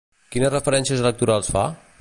Quines referències electorals fa?